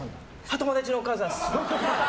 友達のお母さんです。